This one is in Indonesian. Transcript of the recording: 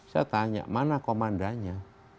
saya tanya mana komandanya